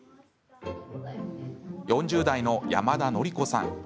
４０代の山田紀子さん。